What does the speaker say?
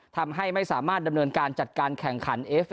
ทำให้ไม่สามารถดำเนินการจัดการแข่งขันเอฟ